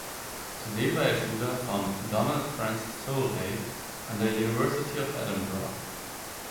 Zudem war er Schüler von Donald Francis Tovey an der University of Edinburgh.